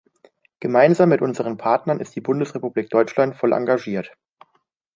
Gemeinsam mit unseren Partnern ist die Bundesrepublik Deutschland voll engagiert.